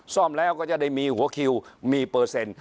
ซ่อมแล้วก็จะได้มีหัวคิวมีเปอร์เซ็นต์